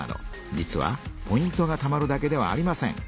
実はポイントがたまるだけではありません。